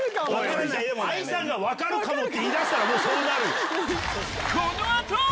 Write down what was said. ＡＩさんが「わかるかも」って言い出したらそうなるよ！